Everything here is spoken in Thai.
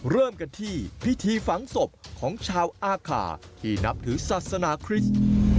เริ่มกันที่พิธีฝังศพของชาวอาคาที่นับถือศาสนาคริสต์